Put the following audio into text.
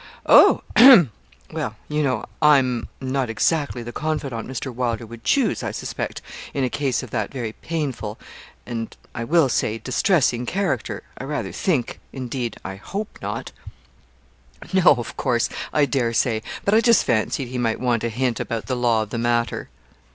'Oh? hem! well, you know, I'm not exactly the confidant Mr. Wylder would choose, I suspect, in a case of that very painful, and, I will say, distressing character I rather think indeed, I hope not.' 'No, of course I dare say but I just fancied he might want a hint about the law of the matter.'